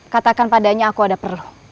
katakan padanya aku ada perut